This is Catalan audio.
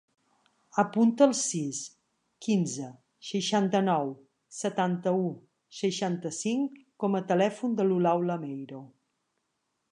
Apunta el sis, quinze, seixanta-nou, setanta-u, seixanta-cinc com a telèfon de l'Olau Lameiro.